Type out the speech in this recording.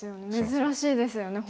珍しいですよね